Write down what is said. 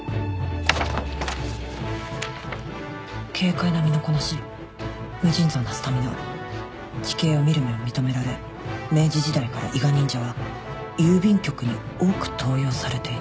「軽快な身のこなし無尽蔵なスタミナ地形を見る目を認められ明治時代から伊賀忍者は郵便局に多く登用されている」